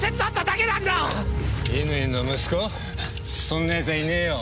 そんなやつはいねえよ。